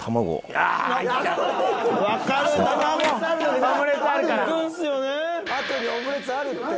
あとでオムレツあるって。